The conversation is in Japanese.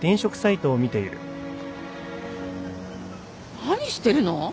・何してるの？